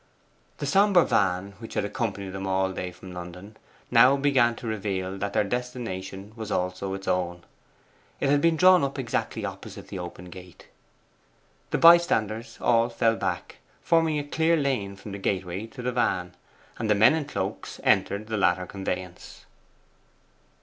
The sombre van, which had accompanied them all day from London, now began to reveal that their destination was also its own. It had been drawn up exactly opposite the open gate. The bystanders all fell back, forming a clear lane from the gateway to the van, and the men in cloaks entered the latter conveyance.